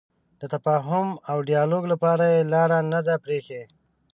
د تفاهم او ډیالوګ لپاره یې لاره نه ده پرېښې.